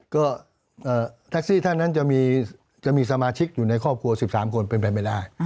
ก็แท็กซี่ท่านนั้นจะมีสมาชิกอยู่ในครอบครัว๑๓คนเป็นไปไม่ได้